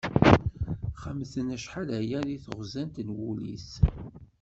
Xemten acḥal aya deg texzant n wul-is.